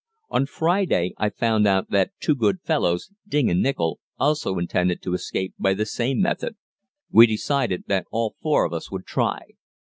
On Friday I found out that two good fellows, Ding and Nichol, also intended to escape by the same method. We decided that all four of us would try.